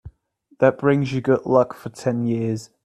That brings you good luck for ten years.